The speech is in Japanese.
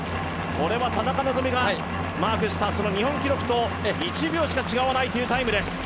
これは田中希実がマークしたその日本記録と１秒しか違わないというタイムです。